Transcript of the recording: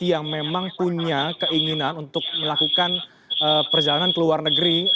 yang memang punya keinginan untuk melakukan perjalanan ke luar negeri